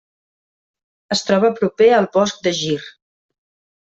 Es troba proper al bosc de Gir.